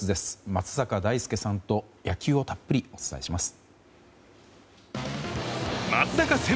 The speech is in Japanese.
松坂大輔さんと野球をたっぷりお伝えします。